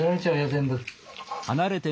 全部。